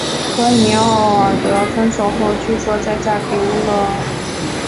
和尼奥尔德分手后据说再嫁给乌勒尔。